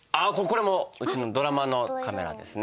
これもうちのドラマのカメラですね。